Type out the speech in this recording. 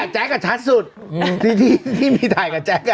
แจ๊คกับชัดสุดที่มีถ่ายกับแจ๊ค